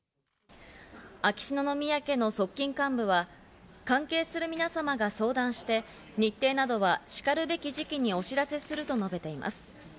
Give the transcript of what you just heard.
秋篠宮家の側近幹部は、関係する皆様が相談して、日程などは、しかるべき時期にお知らせすると述べています。